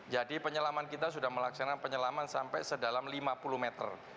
jadi penyelaman kita sudah melaksanakan penyelaman sampai sedalam lima puluh meter